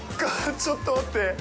ちょっと待って！